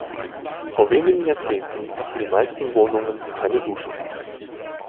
Vor wenigen Jahrzehnten hatten die meisten Wohnungen keine Dusche.